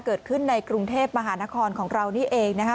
เกิดขึ้นในกรุงเทพมหานครของเรานี่เองนะคะ